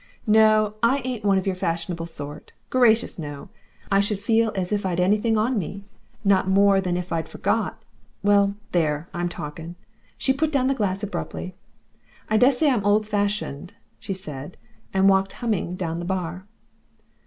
"No I ain't one of your fashionable sort. Gracious no! I shouldn't feel as if I'd anything on me, not more than if I'd forgot Well, there! I'm talking." She put down the glass abruptly. "I dessay I'm old fashioned," she said, and walked humming down the bar.